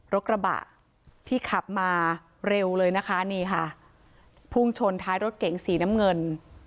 รถกระบะที่ขับมาเร็วเลยนะคะนี่ค่ะพุ่งชนท้ายรถเก๋งสีน้ำเงิน